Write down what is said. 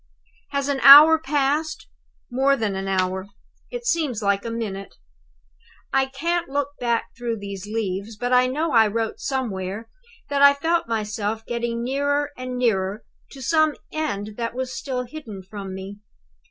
"Has an hour passed? More than an hour. It seems like a minute. "I can't look back through these leaves, but I know I wrote somewhere that I felt myself getting nearer and nearer to some end that was still hidden from me.